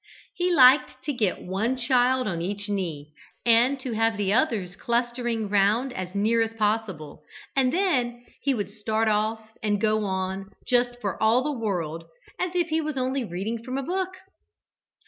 He liked to get one child on each knee, and to have the others clustering round as near as possible, and then he would start off and go on just for all the world as if he was only reading from a book.